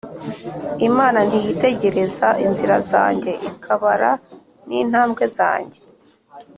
Imana ntiyitegereza inzira zanjye Ikabara ni ntambwe zanjye